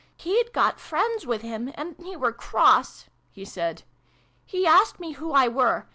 " He'd got friends with him, and he were cross !" he said. " He asked me who I were.